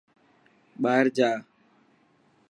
ٻاهر جا.